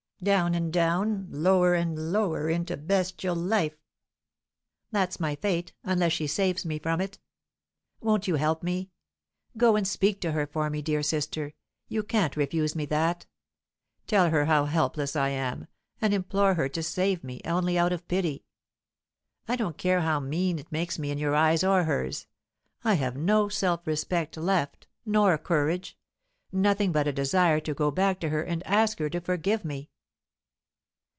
Down and down, lower and lower into bestial life that's my fate, unless she saves me from it. Won't you help me? Go and speak to her for me, dear sister, you can't refuse me that. Tell her how helpless I am, and implore her to save me, only out of pity. I don't care how mean it makes me in your eyes or hers; I have no self respect left, nor courage nothing but a desire to go back to her and ask her to forgive me."